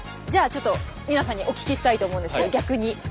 じゃあちょっと皆さんにお聞きしたいと思うんですけど逆に。